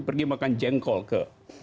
pergi makan jengkol ke